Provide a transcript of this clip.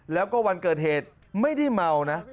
แล้วก็วันเกิดเหตุไม่ได้เมานะ